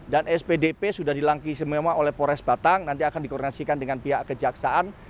dan spdp sudah dilangkisi oleh polres batang nanti akan dikoreksikan dengan pihak kejaksaan